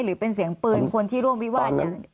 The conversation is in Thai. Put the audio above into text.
หรือเป็นเสียงปืนคนที่ร่วงวิวัติ